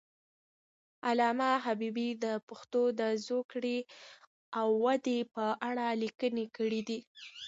علامه حبیبي د پښتو د زوکړې او ودې په اړه لیکنې کړي دي.